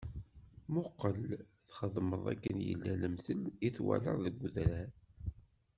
Muqel txedmeḍ akken yella lemtel i twalaḍ deg udrar.